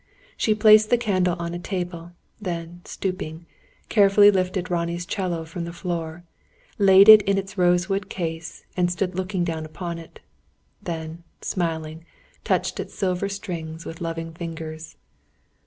She placed the candle on a table; then, stooping, carefully lifted Ronnie's 'cello from the floor, laid it in its rosewood case, and stood looking down upon it. Then, smiling, touched its silver strings, with loving fingers.